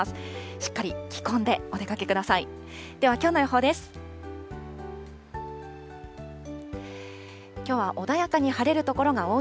しっかり着込んでお出かけください。